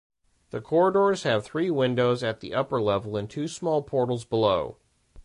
The corridors have three windows at the upper level and two small portals below.